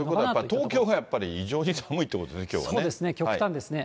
東京はやっぱり異常に寒いということですね、きょうはね。